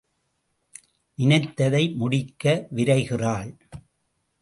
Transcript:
நினைத்ததை முடிக்க விரைகிறாள்.